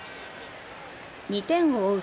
２点を追う